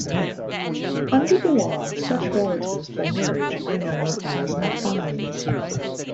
Under the law, such relatives by marriage are known as affines.